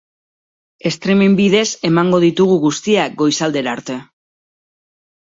Streaming bidez emango ditugu guztiak goizaldera arte.